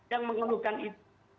yang mengeluhkan itu